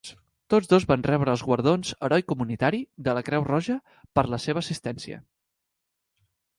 Tots dos van rebre els guardons "Heroi Comunitari" de la Creu Roja per la seva assistència.